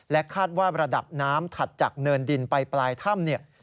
คาดว่าระดับน้ำถัดจากเนินดินไปปลายถ้ำเนี่ย